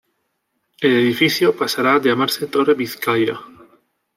El edificio pasará a llamarse "Torre Bizkaia".